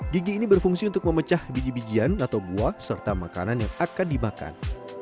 gigi ini berfungsi untuk memecah biji bijian atau buah serta makanan yang akan dimakan